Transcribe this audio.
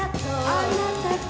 「あなたと」